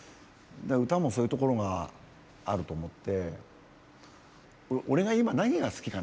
歌もそういうところがあると思って。